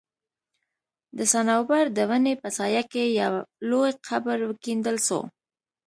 د صنوبر د وني په سايه کي يو لوى قبر وکيندل سو